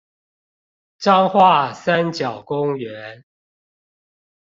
彰化三角公園